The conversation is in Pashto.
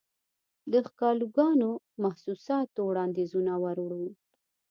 دښکالوګانو، محسوساتووړاندیزونه وروړو